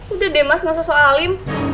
udah deh mas gak sosok alim